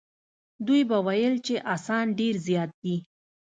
ده به ویل چې اسان ډېر زیات دي.